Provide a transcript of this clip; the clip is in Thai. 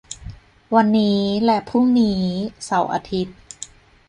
วันนี้และพรุ่งนี้ เสาร์-อาทิตย์